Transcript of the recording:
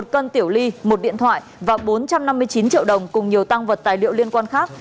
một cân tiểu ly một điện thoại và bốn trăm năm mươi chín triệu đồng cùng nhiều tăng vật tài liệu liên quan khác